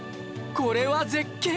これは絶景！